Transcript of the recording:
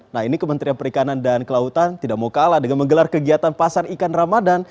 nah ini kementerian perikanan dan kelautan tidak mau kalah dengan menggelar kegiatan pasar ikan ramadan